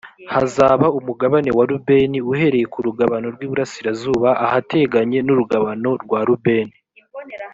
hazaba umugabane wa rubeni uhereye ku rugabano rw’ iburasirazuba ahateganye n’ urugabano rwa rubeni